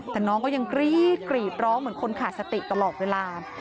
แต่น้องก็ยังกรี๊ดกรีดร้องเหมือนคนขาดสติตลอดเวลา